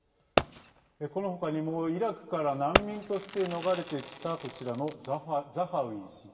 この他にも、イラクから難民として逃れてきたこちらのザハウィ氏。